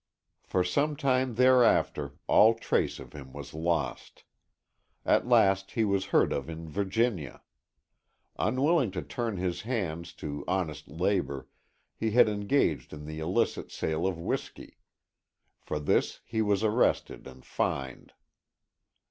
For some time thereafter all trace of him was lost. At last he was heard of in Virginia. Unwilling to turn his hands to honest labor, he had engaged in the illicit sale of whiskey. For this he was arrested and fined.